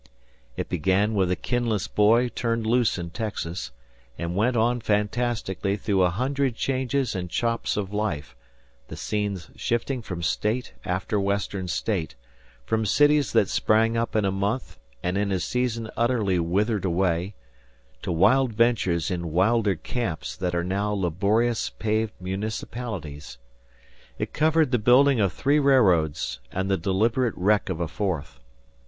It began with a kinless boy turned loose in Texas, and went on fantastically through a hundred changes and chops of life, the scenes shifting from State after Western State, from cities that sprang up in a month and in a season utterly withered away, to wild ventures in wilder camps that are now laborious, paved municipalities. It covered the building of three railroads and the deliberate wreck of a fourth.